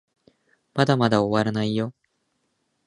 まだまだ終わらないよ